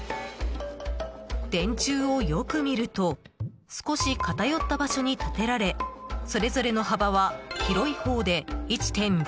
電柱をよく見ると少し偏った場所に立てられそれぞれの幅は広いほうで１．６ｍ。